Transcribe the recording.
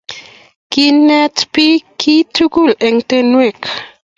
Kinete pik kiaketugul en tenwek